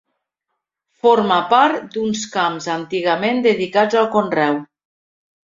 Forma part d'uns camps antigament dedicats al conreu.